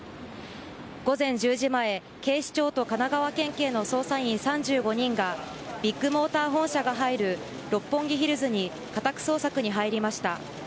午前１０時前警視庁と神奈川県警の捜査員３５人がビッグモーター本社が入る六本木ヒルズに家宅捜索に入りました。